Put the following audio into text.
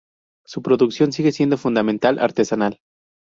Su producción sigue siendo fundamentalmente artesanal.